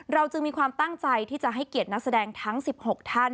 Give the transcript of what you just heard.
จึงมีความตั้งใจที่จะให้เกียรตินักแสดงทั้ง๑๖ท่าน